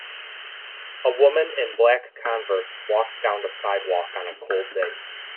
A woman in black converse walks down the sidewalk on a cold day.